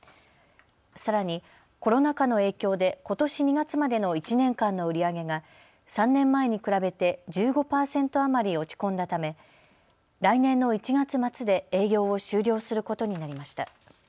さらにコロナ禍の影響でことし２月までの１年間の売り上げが３年前に比べて１５％余り落ち込んだため来年の１月末で営業を終了することになりました。